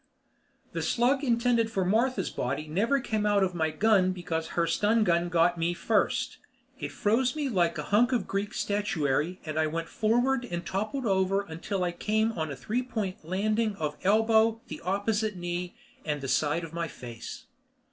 The slug intended for Martha's body never came out of my gun because her stun gun got to me first. It froze me like a hunk of Greek statuary and I went forward and toppled over until I came on a three point landing of elbow, the opposite knee, and the side of my face.